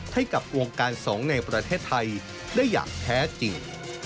ให้กับวงการสงฆ์ในประเทศไทยได้อย่างแท้จริง